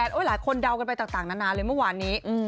หลายคนเดากันไปต่างนานาเลยเมื่อวานนี้